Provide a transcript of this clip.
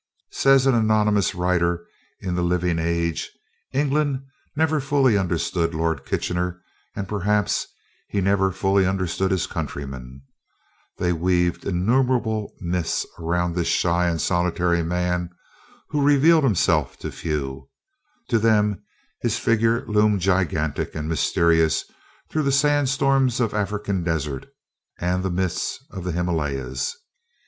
Says an anonymous writer in The Living Age: "England never fully understood Lord Kitchener, and perhaps he never fully understood his countrymen. They weaved innumerable myths around this shy and solitary man, who revealed himself to few. To them his figure loomed gigantic and mysterious through the sandstorms of African deserts and the mists of the Himalayas.